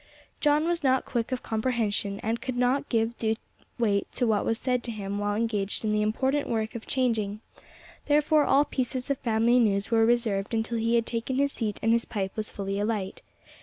John was not quick of comprehension, and could not give due weight to what was said to him while engaged in the important work of changing; therefore all pieces of family news were reserved until he had taken his seat and his pipe was fully alight.